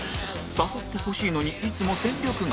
誘ってほしいのにいつも戦力外